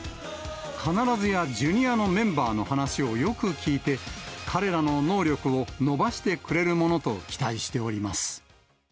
必ずやＪｒ．のメンバーの話をよく聞いて、彼らの能力を伸ばしてくれるものと期待しております。